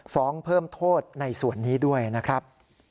ฟ้องเพิ่มโทษในส่วนนี้ด้วยนะครับ